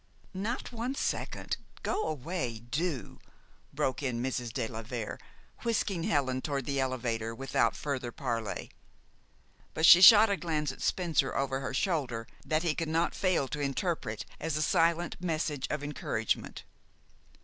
"Not one second. Go away, do!" broke in Mrs. de la Vere, whisking Helen toward the elevator without further parley. But she shot a glance at Spencer over her shoulder that he could not fail to interpret as a silent message of encouragement.